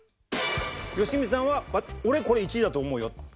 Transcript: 良純さんは「俺これ１位だと思うよ」。